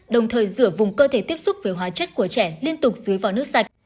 đồng thời rửa vùng cơ thể tiếp xúc với hóa chất của trẻ liên tục dưới vòi nước sạch